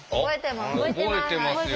覚えてますよ。